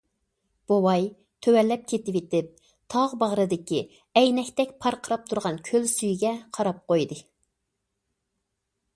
بوۋاي تۆۋەنلەپ كېتىۋېتىپ، تاغ باغرىدىكى ئەينەكتەك پارقىراپ تۇرغان كۆل سۈيىگە قاراپ قويدى.